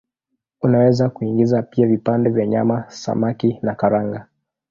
Unaweza kuingiza pia vipande vya nyama, samaki na karanga.